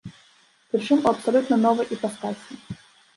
Прычым у абсалютна новай іпастасі.